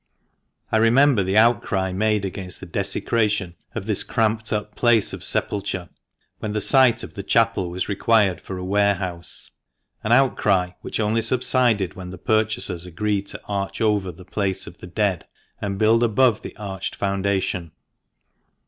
I remember the outcry made against the desecration of this cramped up place of sepulture, when the site of the chapel was required for a warehouse ; an outcry which only subsided when the purchasers agreed to arch over the place of the dead, and build above the arched foundation.